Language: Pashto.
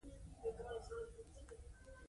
مګر اندېښنې د سپينږيري رپولې.